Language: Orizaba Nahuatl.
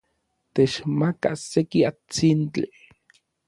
Techmaka seki atsintli.